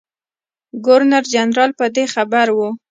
ګورنر جنرال په دې خبر وو.